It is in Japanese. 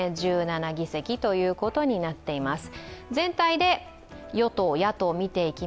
１７議席ということになっています。